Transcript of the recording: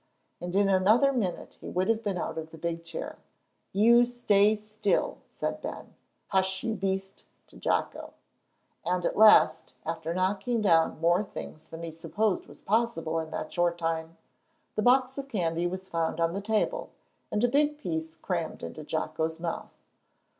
And in another minute he would have been out of the big chair. "You stay still," said Ben. "Hush, you beast!" to Jocko. And at last, after knocking down more things than he supposed was possible in that short time, the box of candy was found on the table, and a big piece crammed into Jocko's mouth.